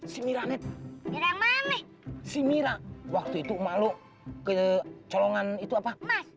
si nenek si mira waktu itu malu ke colongan itu apa